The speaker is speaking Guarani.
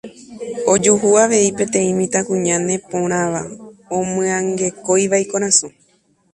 Ojuhu avei peteĩ mitãkuña neporãva omyangekóiva ikorasõ.